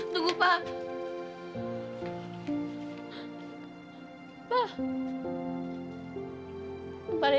tolong jaga diri kalian baik baik